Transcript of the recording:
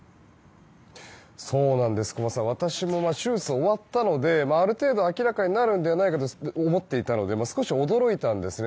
私も手術が終わったのである程度、明らかになるのではと思っていたので少し驚いたんですね。